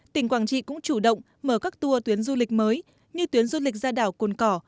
tỉnh quảng trị cũng chủ động mở các tour tuyến du lịch mới như tuyến du lịch ra đảo cồn cỏ